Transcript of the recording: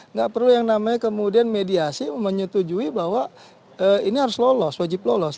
nggak perlu yang namanya kemudian mediasi menyetujui bahwa ini harus lolos wajib lolos